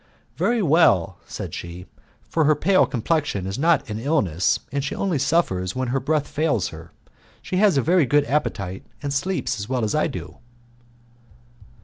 "Very well," said she, "for her pale complexion is not an illness, and she only suffers when her breath fails her. She has a very good appetite, and sleeps as well as I do."